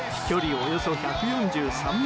およそ１４３ｍ。